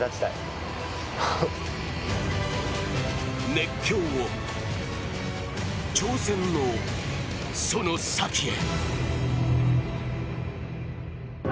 熱狂の、挑戦のその先へ。